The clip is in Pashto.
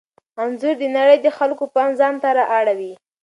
انځور د نړۍ د خلکو پام ځانته را اړوي.